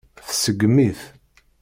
Tseggem-it.